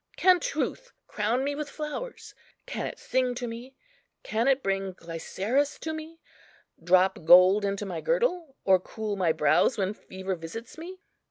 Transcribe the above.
can truth crown me with flowers? can it sing to me? can it bring Glyceris to me? drop gold into my girdle? or cool my brows when fever visits me?